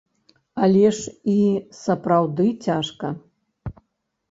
Але ж і сапраўды цяжка!